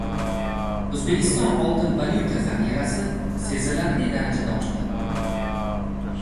O‘zbekiston oltin-valyuta zaxirasi sezilarli darajada oshdi